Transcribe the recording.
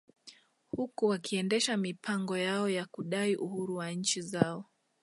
Huku wakiendesha mipango yao ya kudai uhuru wa nchi zao